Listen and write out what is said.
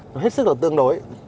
nó hết sức là tương đối